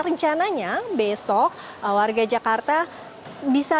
rencananya besok warga jakarta bisa